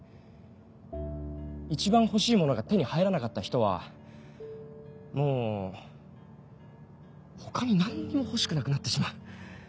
一番欲しいものが手に入らなかった人はもう他に何にも欲しくなくなってしまう。